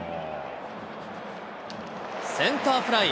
センターフライ。